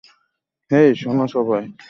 হেই, শোনো সবাই!